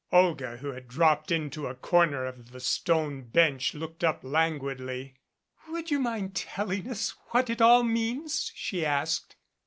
Olga, who had dropped into a corner of the stone bench, looked up languidly. "Would you mind telling us what it all means?" she asked.